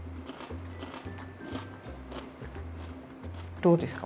どうですか？